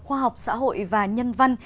khoa học xã hội và nhân văn